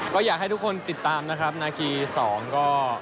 ก็อยากให้ทุกคนติดตามนะครับนาที๒ก็